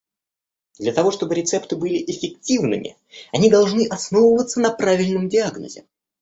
Для того чтобы рецепты были эффективными, они должны основываться на правильном диагнозе.